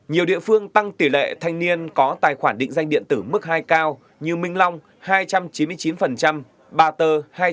nhiều địa phương tăng tỷ lệ thanh niên có tài khoản định danh điện tử mức hai cao như minh long hai trăm chín mươi chín ba tơ hai trăm chín mươi